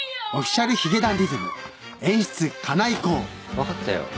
分かったよ。